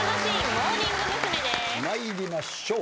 参りましょう。